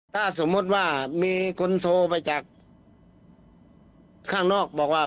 ถ้าสมมุติว่ามีคนโทรไปจากข้างนอกบอกว่า